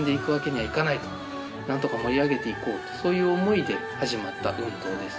なんとか盛り上げていこうとそういう思いで始まった運動です。